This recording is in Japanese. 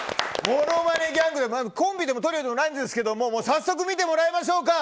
ものまねギャングコンビでもトリオでもないですが早速見てもらいましょうか。